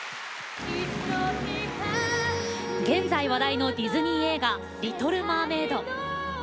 現在話題のディズニー映画「リトル・マーメイド」。